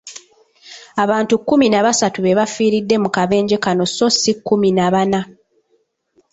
Abantu kumi na basatu be bafiiridde mu kabenje kano sso si kumi na bana.